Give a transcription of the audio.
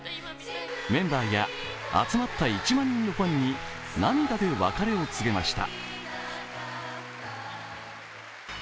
メンバーや集まった１万人のファンに涙で別れを告げました。